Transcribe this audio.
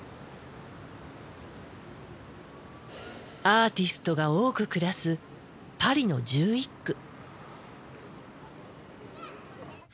アーティストが多く暮らすパリの１１区。